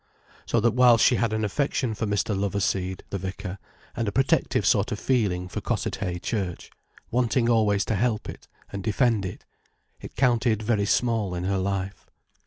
So that whilst she had an affection for Mr. Loverseed, the vicar, and a protective sort of feeling for Cossethay church, wanting always to help it and defend it, it counted very small in her life.